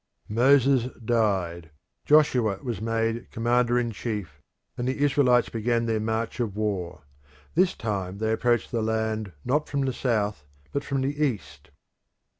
Moses died; Joshua was made commander in chief, and the Israelites began their march of war. This time they approached the land not from the south but from the east.